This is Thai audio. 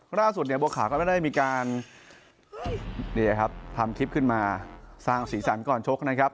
ล่าสุดเนี่ยบัวขาวก็ไม่ได้มีการทำคลิปขึ้นมาสร้างสีสันก่อนชกนะครับ